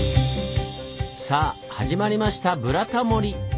さあ始まりました「ブラタモリ」！